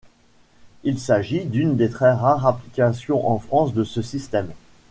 Il s'agit d'une des très rares applications en France de ce système.